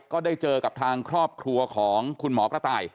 ก็ได้เจอกับทางครอบครัวของคุณหมอกระต่าย